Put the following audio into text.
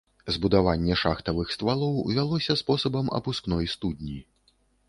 Збудаванне шахтавых ствалоў вялося спосабам апускной студні.